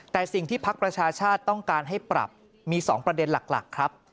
แต่สิ่งที่พักประชาชาติต้องการให้ปรับมี๒ประเด็นหลักครับ